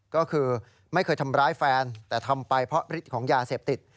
ก็คือไม่เคยทำร้ายแฟนแต่ทำไปเพราะฤทธิ์ของยาเสพติด